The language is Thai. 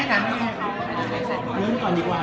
ขอบคุณแม่ก่อนต้องกลางนะครับ